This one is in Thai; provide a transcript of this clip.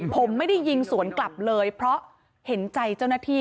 ผมไม่ได้ยิงสวนกลับเลยเพราะเห็นใจเจ้าหน้าที่